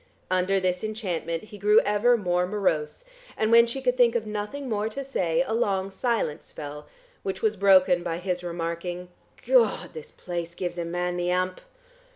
Under this enchantment he grew ever more morose, and when she could think of nothing more to say, a long silence fell, which was broken by his remarking, "Gawd, this place gives a man the hump!"...